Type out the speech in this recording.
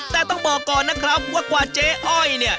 แต่ต้องบอกก่อนนะครับว่ากว่าเจ๊อ้อยเนี่ย